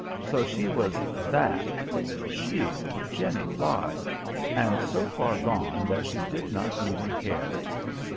So she was "That" she, Jenny Bligh! and so far gone that she did not even care.